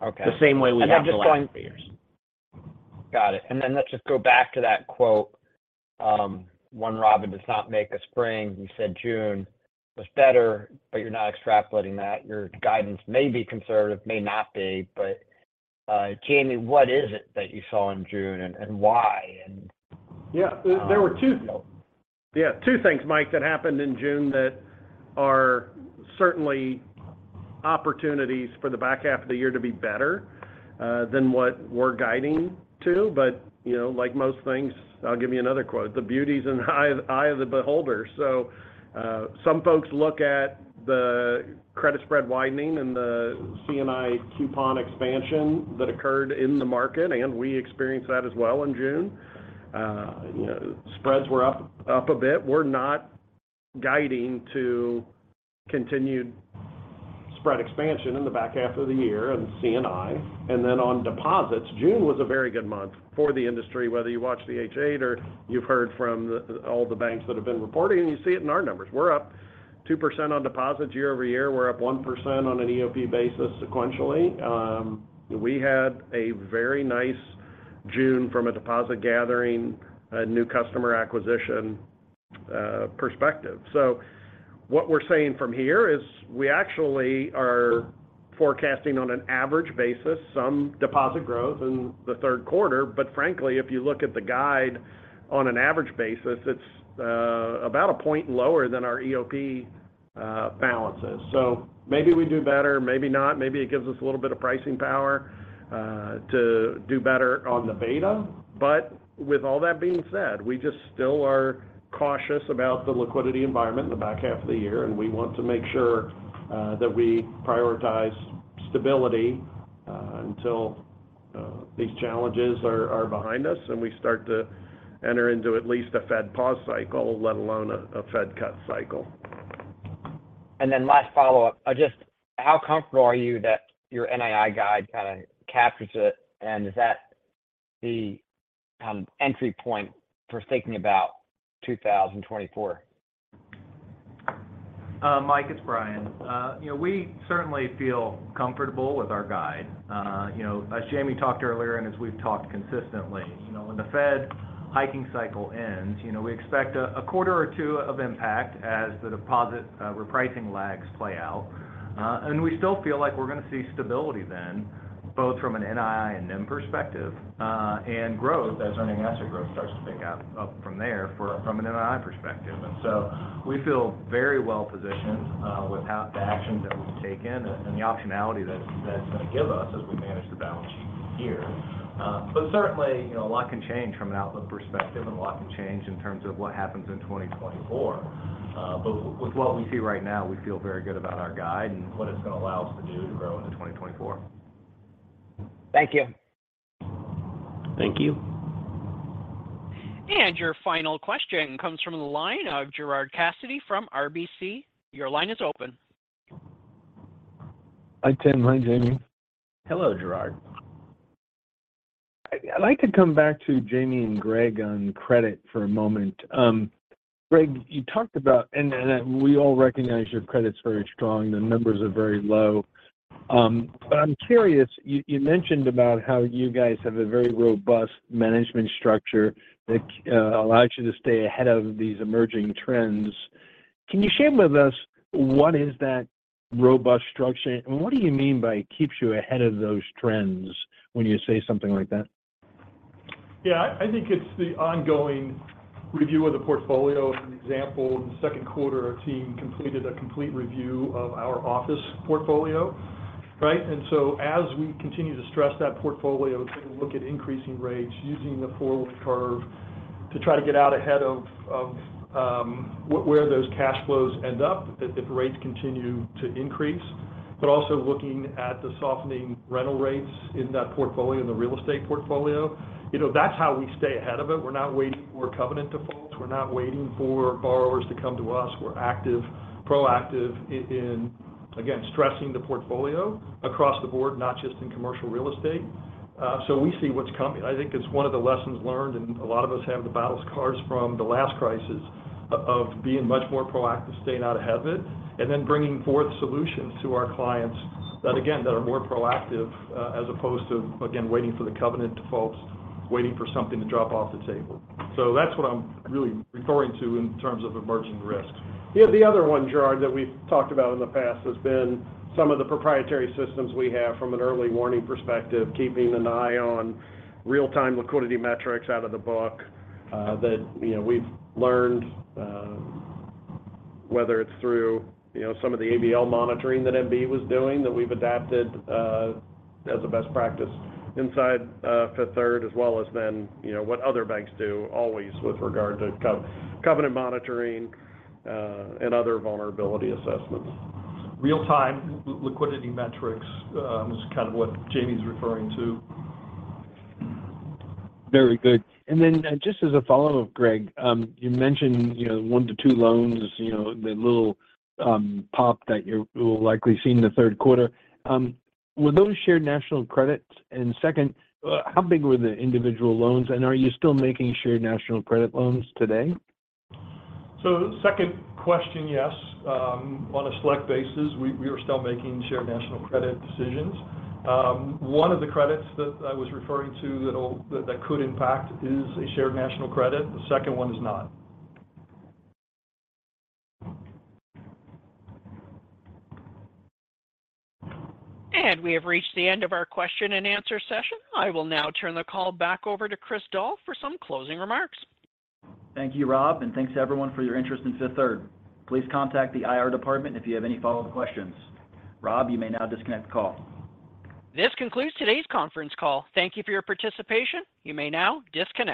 Okay. The same way we have the last three years. Got it. Let's just go back to that quote, One robin does not make a spring. You said June was better, but you're not extrapolating that. Your guidance may be conservative, may not be, but James Leonard, what is it that you saw in June, and why? Yeah, there were. Yep. Yeah, two things, Mike, that happened in June that are certainly opportunities for the back half of the year to be better than what we're guiding to. You know, like most things, I'll give you another quote, The beauty is in the eye of the beholder. Some folks look at the credit spread widening and the C&I coupon expansion that occurred in the market, and we experienced that as well in June. You know, spreads were up a bit. We're not guiding to continued spread expansion in the back half of the year on C&I. On deposits, June was a very good month for the industry, whether you watch the H.8 or you've heard from all the banks that have been reporting, and you see it in our numbers. We're up 2% on deposits year-over-year. We're up 1% on an EOP basis sequentially. We had a very nice June from a deposit gathering, new customer acquisition, perspective. What we're saying from here is, we actually are forecasting on an average basis, some deposit growth in the third quarter. Frankly, if you look at the guide on an average basis, it's about 1 point lower than our EOP balances. Maybe we do better, maybe not. Maybe it gives us a little bit of pricing power to do better on the beta- With all that being said, we just still are cautious about the liquidity environment in the back half of the year, and we want to make sure that we prioritize stability until these challenges are behind us and we start to enter into at least a Fed pause cycle, let alone a Fed cut cycle. Last follow-up. Just how comfortable are you that your NII guide kind of captures it? Is that the entry point for thinking about 2024? Mike, it's Bryan. You know, we certainly feel comfortable with our guide. You know, as Jamie talked earlier, as we've talked consistently, you know, when the Fed hiking cycle ends, you know, we expect a quarter or 2 of impact as the deposit repricing lags play out. We still feel like we're going to see stability then, both from an NII and NIM perspective, and growth as earning asset growth starts to pick up from there from an NII perspective. We feel very well positioned with the actions that we've taken and the optionality that's going to give us as we manage the balance sheet this year. Certainly, you know, a lot can change from an outlook perspective and a lot can change in terms of what happens in 2024. With what we see right now, we feel very good about our guide and what it's going to allow us to do to grow into 2024. Thank you. Thank you. Your final question comes from the line of Gerard Cassidy from RBC. Your line is open. Hi, Tim. Hi, Jamie. Hello, Gerard. I'd like to come back to Jamie and Greg on credit for a moment. Greg, you talked about and we all recognize your credit's very strong, the numbers are very low. but I'm curious, you mentioned about how you guys have a very robust management structure that allows you to stay ahead of these emerging trends. Can you share with us what is that robust structure? What do you mean by it keeps you ahead of those trends when you say something like that? Yeah, I think it's the ongoing review of the portfolio. As an example, in the second quarter, our team completed a complete review of our office portfolio, right? We continue to stress that portfolio, take a look at increasing rates, using the forward curve to try to get out ahead of where those cash flows end up, if rates continue to increase. Also looking at the softening rental rates in that portfolio, in the real estate portfolio. You know, that's how we stay ahead of it. We're not waiting for covenant defaults, we're not waiting for borrowers to come to us. We're active, proactive in, again, stressing the portfolio across the board, not just in commercial real estate. We see what's coming. I think it's one of the lessons learned, and a lot of us have the battle scars from the last crisis of being much more proactive, staying out ahead of it, and then bringing forth solutions to our clients that, again, that are more proactive, as opposed to, again, waiting for the covenant defaults, waiting for something to drop off the table. That's what I'm really referring to in terms of emerging risks. Yeah, the other one, Gerard, that we've talked about in the past has been some of the proprietary systems we have from an early warning perspective, keeping an eye on real-time liquidity metrics out of the book, that, you know, we've learned, whether it's through, you know, some of the ABL monitoring that MB was doing, that we've adapted as a best practice inside Fifth Third, as well as then, you know, what other banks do, always with regard to covenant monitoring, and other vulnerability assessments. Real-time liquidity metrics, is kind of what Jamie's referring to. Very good. Just as a follow-up, Greg, you mentioned, you know, 1 to 2 loans, you know, the little, pop that you're will likely see in the third quarter. Were those shared national credits? Second, how big were the individual loans, and are you still making shared national credit loans today? second question, yes. on a select basis, we are still making shared national credit decisions. one of the credits that I was referring to that could impact is a shared national credit. The second one is not. We have reached the end of our question and answer session. I will now turn the call back over to Chris Doll for some closing remarks. Thank you, Rob, and thanks to everyone for your interest in Fifth Third. Please contact the IR department if you have any follow-up questions. Rob, you may now disconnect the call. This concludes today's conference call. Thank Thank you for your participation. You may now disconnect.